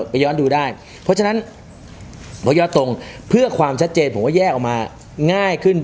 ไปย้อนดูได้เพราะฉะนั้นขอย้อนตรงเพื่อความชัดเจนผมว่าแยกออกมาง่ายขึ้น